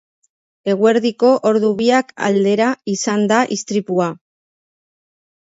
Eguerdiko ordu biak aldera izan da istripua.